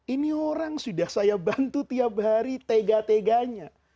ini orang sudah saya bantu tiap hari tega teganya